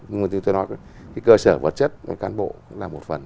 như tôi nói cơ sở vật chất quán bộ là một phần